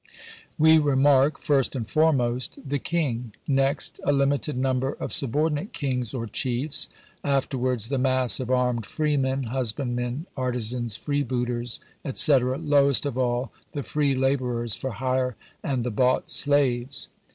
We remark, first and foremost, the King; next, a limited number of subordinate kings or chiefs; afterwards, the mass of armed freemen, husbandmen, artisans, freebooters, &c. lowest of all, the free labourers for hire and the bought slaves.